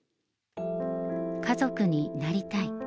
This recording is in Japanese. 家族になりたい。